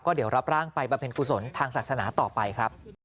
เดี๋ยวรับร่างไปบำเพ็ญกุศลทางศาสนาต่อไปครับ